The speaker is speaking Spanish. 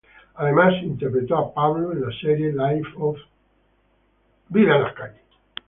Además, interpretó a Pablo en las series "Life of St.